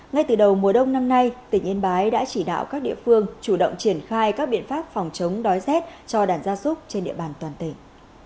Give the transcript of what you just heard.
ngay từ đầu mùa đông năm nay tỉnh yên bái đã chỉ đạo các địa phương chủ động triển khai các biện pháp phòng chống đói rét cho đàn gia súc trên địa bàn toàn tỉnh